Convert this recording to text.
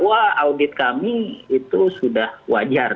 audit kami itu sudah wajar